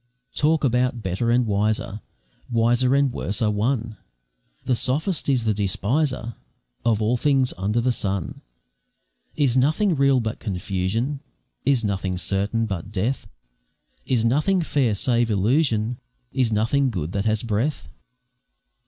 Talk about better and wiser, Wiser and worse are one, The sophist is the despiser Of all things under the sun; Is nothing real but confusion? Is nothing certain but death? Is nothing fair save illusion? Is nothing good that has breath?